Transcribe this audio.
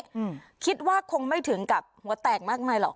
เอาไปเต็มแบบนี้คิดว่าคงไม่ถึงกับหัวแตกมากมายหรอก